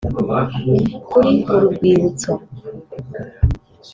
Kuri uru rwibutso